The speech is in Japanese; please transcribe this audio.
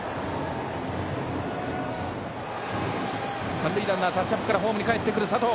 三塁ランナー、タッチアップからホームに帰ってくる佐藤。